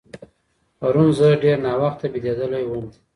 پرون زه ډېر ناوخته بېدېدلی وم.